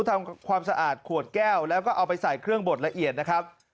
ทำความสะอาดขวดแก้วแล้วก็เอาไปใส่เครื่องบดละเอียดนะครับ